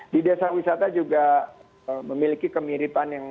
di desa wisata juga memiliki kemiripan yang